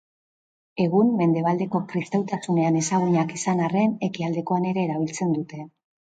Egun mendebaldeko kristautasunean ezagunak izan arren, ekialdekoan ere erabiltzen dute.